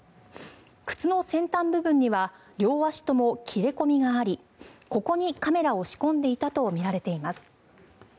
靴の先端部分には両足とも切れ込みがありここにカメラを仕込んでいたとみられています。